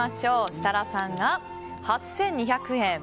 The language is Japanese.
設楽さんが８２００円。